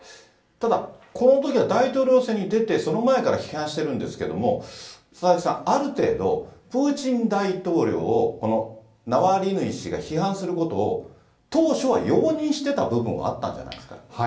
ただ、このときは大統領選に出て、その前から批判してるんですけれども、佐々木さん、ある程度、プーチン大統領をこのナワリヌイ氏が批判することを、当初は容認している部分はあったんじゃないですか。